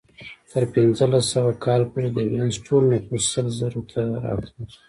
تر پنځلس سوه کال پورې د وینز ټول نفوس سل زرو ته راکم شو